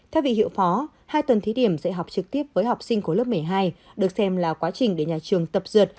thay vì hiệu phó hai tuần thí điểm dạy học trực tiếp với học sinh của lớp một mươi hai được xem là quá trình để nhà trường tập dượt